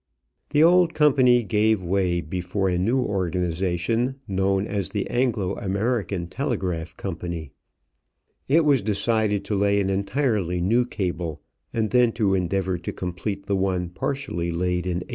The old company gave way before a new organization known as the Anglo American Telegraph Company. It was decided to lay an entirely new cable, and then to endeavor to complete the one partially laid in 1865.